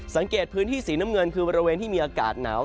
สังเกตพื้นที่สีน้ำเงินคือบริเวณที่มีอากาศหนาว